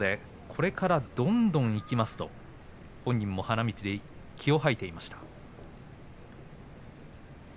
これからどんどんいきますと本人も花道で気を吐いていました。